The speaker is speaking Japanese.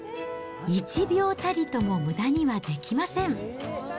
一秒たりともむだにはできません。